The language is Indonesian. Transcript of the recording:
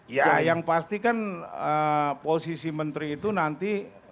iya yang pasti kan posisi menteri itu nanti